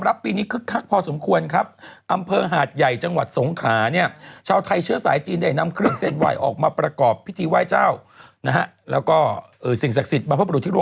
ไม่ผมก็ไหว้บ้างไม่ได้ไหว้